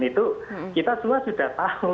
itu kita semua sudah tahu